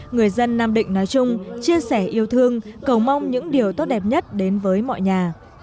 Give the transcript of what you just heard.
người dân nam định nói chung chia sẻ yêu thương cầu mong những điều tốt đẹp nhất đến với mọi nhà